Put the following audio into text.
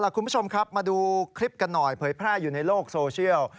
คุณผู้ชมครับมาดูคลิปกันหน่อยเผยแพร่อยู่ในโลกโซเชียล